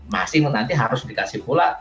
masih nanti harus dikasih pula